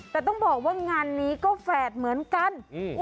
แต่ต้องบอกว่างานนี้ก็แฝดเหมือนกัน